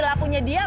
ini kan juga darurat